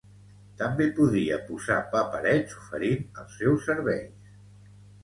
També podria posar paperets oferint els seus serveis